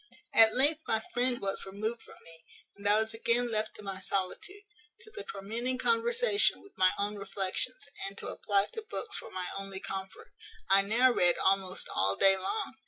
"At length my friend was removed from me, and I was again left to my solitude, to the tormenting conversation with my own reflections, and to apply to books for my only comfort. I now read almost all day long.